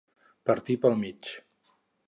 Partir pel mig.